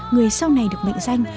người sau này được mệnh danh